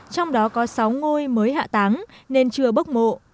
trong đó có sáu ngôi mới hạ tán nên chưa bốc mộ